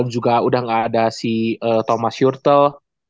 juga udah gak ada si thomas curtel